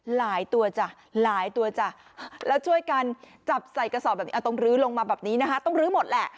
หลายตัวจ้ะหลายตัวจ้ะแล้วช่วยกันจับใส่กระสอบแบบนี้เอาตรงลื้อลงมาแบบนี้นะคะต้องลื้อหมดแหละ